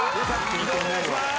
移動お願いします。